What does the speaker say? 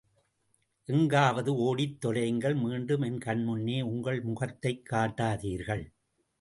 எங்காவது ஓடித் தொலையுங்கள் மீண்டும் என் கன்முன்னே உங்கள் முகத்தைக் காட்டாதீர்கள்.